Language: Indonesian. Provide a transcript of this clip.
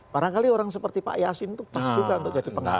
barangkali orang seperti pak yasin itu pas juga untuk jadi pengawas